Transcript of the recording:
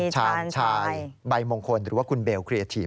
คุณชาวใบมงคลหรือว่าคุณเบลครีเอทีฟ